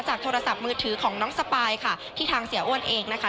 โทรศัพท์มือถือของน้องสปายค่ะที่ทางเสียอ้วนเองนะคะ